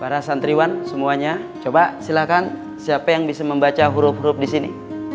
para santriwan semuanya coba silahkan siapa yang bisa membaca huruf huruf disini